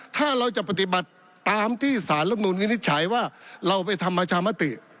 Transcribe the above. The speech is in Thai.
ถ้าเราจะปฏิบัติตามที่สารรัฐมนุนวินิจฉัยว่าเราไปทำประชามติ